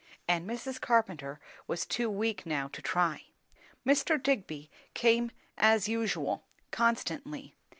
And Mrs. Carpenter was too weak now to try. Mr. Digby came as usual, constantly.